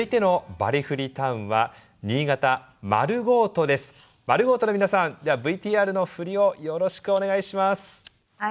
ｍａｒｕｇｏ−ｔｏの皆さんではＶＴＲの振りをよろしくお願いします。